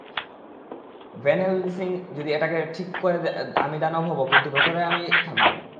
When Helsing যদি এটাকে ঠিক করে আমি দানব হবো কিন্ত ভেতরে ভেতরে আমিই থাকবো।